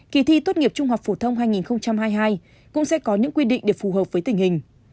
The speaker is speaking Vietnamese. kỳ thi tốt nghiệp trung học phổ thông hai nghìn hai mươi hai cũng sẽ có những quy định để phù hợp với tình hình